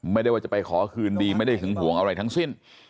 ไม่ได้ว่าจะไปขอคืนดีไม่ได้หึงห่วงอะไรทั้งสิ้น